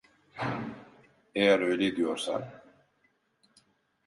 Eğer öyle diyorsan.